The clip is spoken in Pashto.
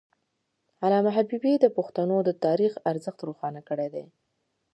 علامه حبيبي د پښتنو د تاریخ ارزښت روښانه کړی دی.